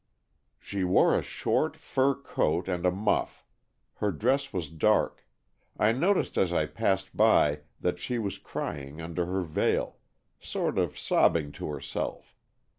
"She wore a short fur coat and a muff. Her dress was dark. I noticed as I passed by that she was crying under her veil, sort of sobbing to herself.